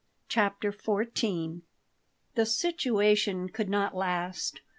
CHAPTER XIV THE situation could not last.